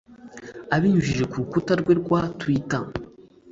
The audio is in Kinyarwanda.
Abinyujije ku rukuta rwe rwa twitter